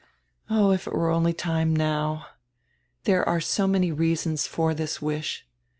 Oh, if it were only time now! There are so many reasons for diis wish.